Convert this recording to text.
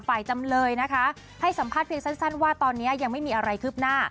จำเลยนะคะให้สัมภาษณ์เพียงสั้นว่าตอนนี้ยังไม่มีอะไรคืบหน้า